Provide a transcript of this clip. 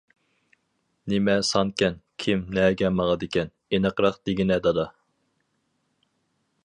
-نېمە سانكەن؟ كىم، نەگە ماڭىدىكەن؟ ئېنىقراق دېگىنە دادا.